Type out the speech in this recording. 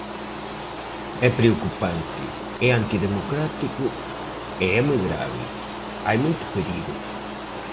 É preocupante, é antidemocrático e é moi grave, hai moito perigo.